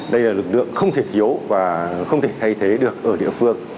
đây là lực lượng không thể thiếu và không thể thay thế được ở địa phương